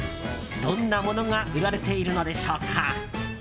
どんなものが売られているのでしょうか。